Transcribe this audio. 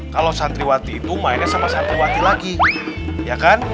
kalau santriwati itu mainnya sama santriwati lagi ya kan